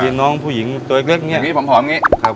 มีน้องผู้หญิงตัวอีกเล็กเนี้ยอย่างงี้หอมหอมอย่างงี้ครับ